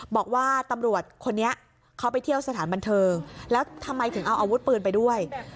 บอกว่าตำรวจคนนี้เขาไปเที่ยวสถานบันเทิงแล้วทำไมถึงเอาอาวุธปืนไปด้วย